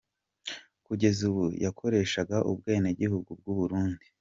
Kugeza ubu yakoreshaga ubwenwgihugu bw’u Burundi.